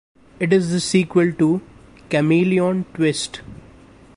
It is the sequel to "Chameleon Twist".